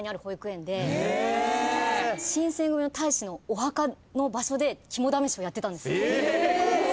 新選組の隊士のお墓の場所で肝試しをやってたんです。